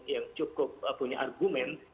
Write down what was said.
yang cukup punya argumen